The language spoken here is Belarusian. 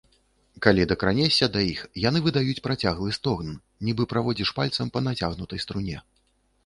Калі дакранешся да іх, яны выдаюць працяглы стогн, нібы праводзіш пальцам па нацягнутай струне.